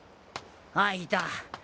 あっいた。